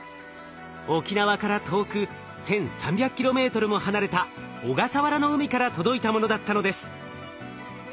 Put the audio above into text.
沖縄から遠く１，３００ｋｍも離れた小笠原の海から届いたものだったのです。